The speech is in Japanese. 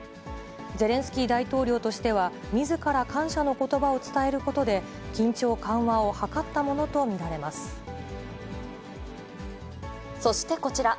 ゼレンスキー大統領としては、みずから感謝のことばを伝えることで、緊張緩和を図ったものと見そしてこちら。